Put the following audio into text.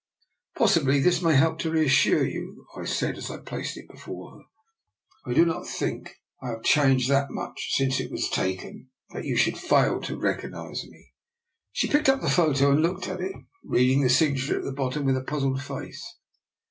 " Possibly this may help to reassure you," I said, as I placed it before her. " I do not think I have changed so much, since it was DR. NIKOLA'S EXPERIMENT. 3J taken, that you should fail to recognise me. She picked up the photo and looked at it, reading the signature at the bottom with a puzzled face.